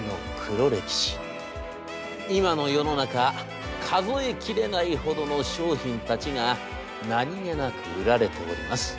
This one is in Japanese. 今の世の中数えきれないほどの商品たちが何気なく売られております。